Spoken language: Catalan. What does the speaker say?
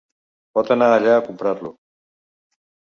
Pot anar allà a comprar-lo.